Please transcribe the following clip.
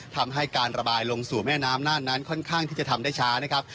ทำให้การระบายลงสู่แม่น้ำน่านนั้นค่อนข้างที่จะทำได้ช้านะครับ